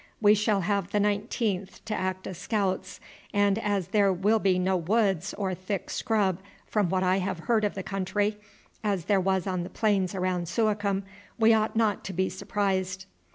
"We shall have the 19th to act as scouts, and as there will be no woods or thick scrub, from what I have heard of the country, as there was on the plains round Suakim, we ought not to be surprised."